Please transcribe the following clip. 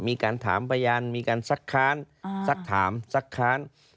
มีการถามพยานมีการซักค้านสักถามซักค้าน